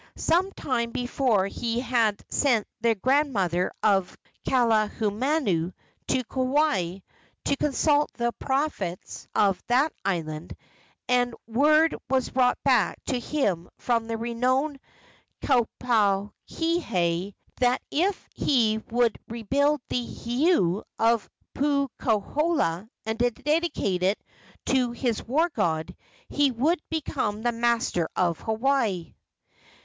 Some time before he had sent the grandmother of Kaahumanu to Kauai to consult the prophets of that island, and word was brought back to him from the renowned Kapoukahi that if he would rebuild the heiau of Puukohola and dedicate it to his war god, he would become the master of Hawaii.